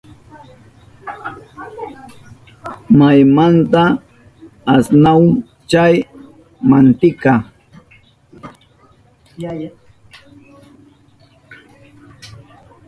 ¿Maymantata asnahun chay mantika?